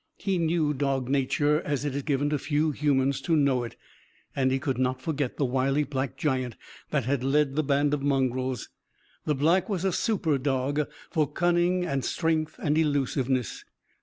He knew dog nature, as it is given to few humans to know it. And he could not forget the wily black giant that had led the band of mongrels. The Black was a super dog, for cunning and strength and elusiveness.